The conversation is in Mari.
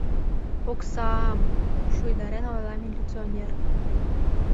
— Окса-ам... — шуйдарен ойла милиционер.